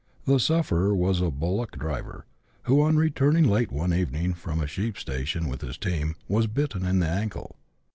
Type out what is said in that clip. The sufferer was a bullock driver, who, on returning late one evening from a sheep station with his team, was bitten in the ankle.